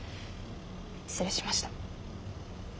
失礼しました。